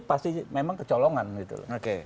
pasti memang kecolongan gitu loh